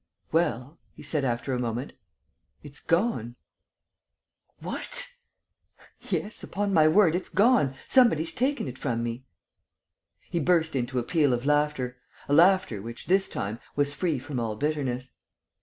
"Well," he said, after a moment, "it's gone." "What!" "Yes, upon my word, it's gone ... somebody's taken it from me." He burst into a peal of laughter, a laughter which, this time, was free from all bitterness.